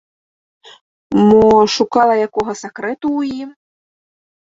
Мо шукала якога сакрэту ў ім?